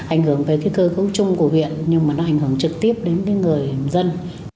ảnh hưởng tới cơ cấu chung của huyện nhưng mà nó ảnh hưởng trực tiếp đến người dân